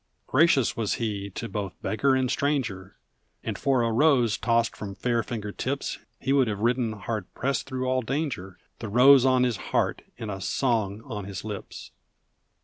Gracious was he to both beggar and stranger, And for a rose tossed from fair finger tips He would have ridden hard pressed through all danger, The rose on his heart and a song on his lips!